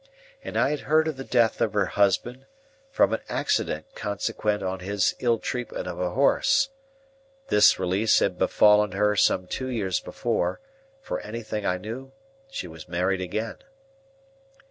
And I had heard of the death of her husband, from an accident consequent on his ill treatment of a horse. This release had befallen her some two years before; for anything I knew, she was married again.